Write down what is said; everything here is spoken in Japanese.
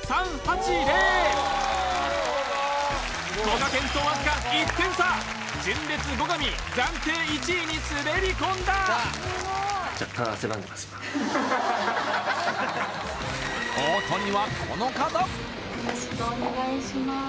こがけんとわずか１点差純烈・後上暫定１位に滑り込んだよろしくお願いします